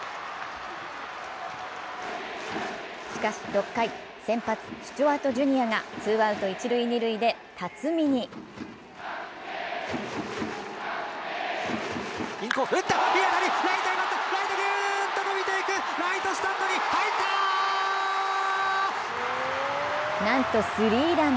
しかし６回、先発、スチュワート・ジュニアがツーアウト、一・二塁で辰己になんとスリーラン。